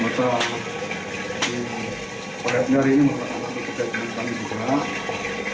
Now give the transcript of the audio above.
yang tadi di kota tenggari ini masalah tersebut